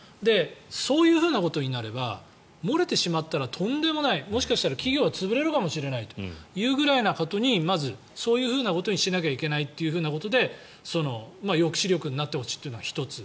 そういうふうなことになれば漏れてしまったらとんでもないもしかしたら企業が潰れるかもしれないということにまず、そういうことにしなきゃいけないということで抑止力になってほしいというのが１つ。